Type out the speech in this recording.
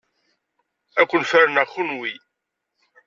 Ad ken-ferneɣ kenwi!